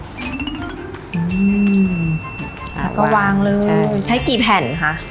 แล้วก็วางเลยใช้กี่แผ่นคะ